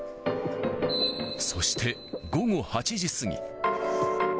そして午後８時過ぎ。